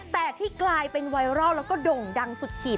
แต่ที่กลายเป็นไวรัลแล้วก็โด่งดังสุดขีด